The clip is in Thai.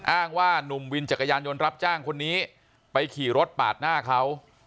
อ้างว่านุ่มวินจักรยานยนต์รับจ้างคนนี้ไปขี่รถปาดหน้าเขา